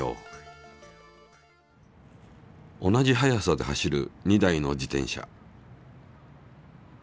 同じ速さで走る２台の自転車。